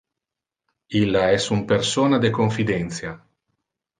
Illa es un persona de confidentia.